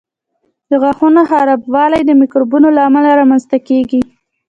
د غاښونو خرابوالی د میکروبونو له امله رامنځته کېږي.